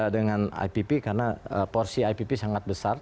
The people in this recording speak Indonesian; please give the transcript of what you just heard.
dengan ipp karena porsi ipp sangat besar